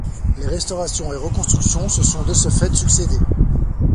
Les restaurations et reconstructions se sont de ce fait succédé.